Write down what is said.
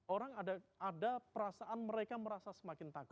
orang ada perasaan mereka merasa semakin takut